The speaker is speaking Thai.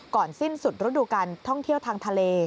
ก่อนสิ้นสุดรุดดูกันท่องเที่ยวทางทะเล